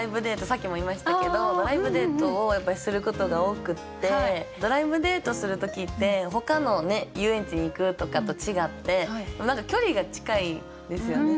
さっきも言いましたけどドライブデートをやっぱりすることが多くってドライブデートする時ってほかの遊園地に行くとかと違って何か距離が近いですよね。